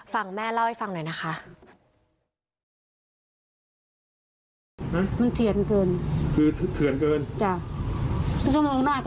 ฟังแม่เล่าให้ฟังหน่อยนะคะ